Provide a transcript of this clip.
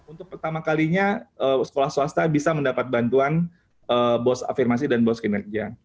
untuk pertama kalinya sekolah swasta bisa mendapat bantuan bos afirmasi dan bos kinerja